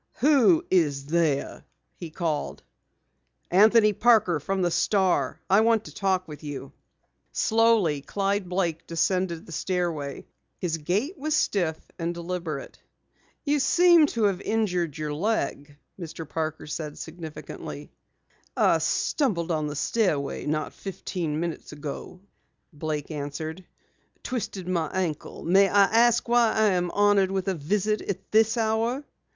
"Who is there?" he called. "Anthony Parker from the Star. I want to talk with you." Slowly Clyde Blake descended the stairway. His gait was stiff and deliberate. "You seem to have injured your leg," Mr. Parker said significantly. "I stumbled on the stairway not fifteen minutes ago," Blake answered. "Twisted my ankle. May I ask why I am honored with a visit at this hour?"